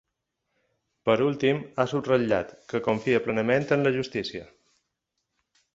Per últim, ha subratllat que “confia plenament en la justícia”.